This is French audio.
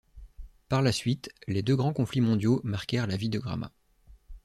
Par la suite, les deux grands conflits mondiaux marquèrent la vie de Gramat.